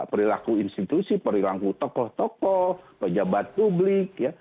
perilaku institusi perilaku tokoh tokoh pejabat publik